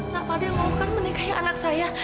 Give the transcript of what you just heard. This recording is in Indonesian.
na fadil mau kan menikahi anak saya